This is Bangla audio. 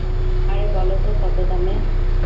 আরে বলো তো, কতো দামের?